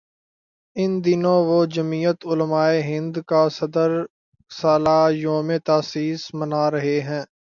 ان دنوں وہ جمعیت علمائے ہندکا صد سالہ یوم تاسیس منا رہے ہیں۔